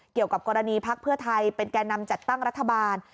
เกี่ยวกับกรณีพักเพื่อไทยเป็นแก่นำจัดตั้งรัฐบาล